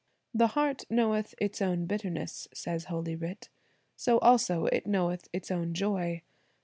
"The heart knoweth its own bitterness," says Holy writ. So also it knoweth its own joy.